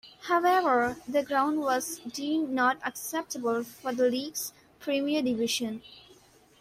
However, their ground was deemed not acceptable for the league's premier division.